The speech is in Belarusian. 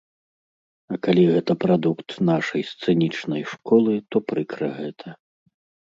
А калі гэта прадукт нашай сцэнічнай школы, то прыкра гэта.